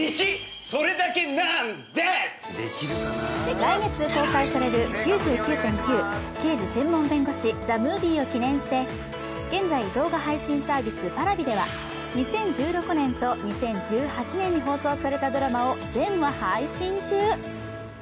来月公開される「９９．９−刑事専門弁護士−ＴＨＥＭＯＶＩＥ」を記念して現在、動画配信サービスＰａｒａｖｉでは２０１６年と２０１８年に放送されたドラマを全話配信中！